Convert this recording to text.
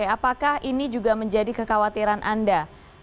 apakah ini juga menjadi kekhawatiran anda